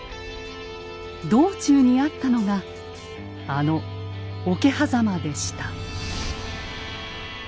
道中にあったのがあの桶狭間でした。